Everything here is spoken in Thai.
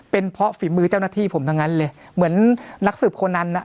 เป็นเพราะฝีมือเจ้าหน้าที่ผมทั้งนั้นเลยเหมือนนักสืบคนนั้นน่ะ